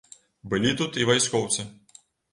Былі тут і вайскоўцы.